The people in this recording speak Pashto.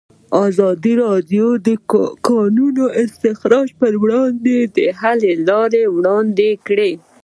ازادي راډیو د د کانونو استخراج پر وړاندې د حل لارې وړاندې کړي.